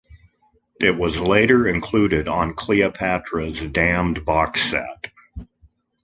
It was later included on Cleopatra's Damned Box Set.